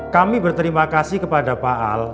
kami berterima kasih kepada pak al